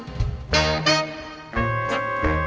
ไข่ไก่โอเยี่ยมอ้างอร่อยแท้อยากกิน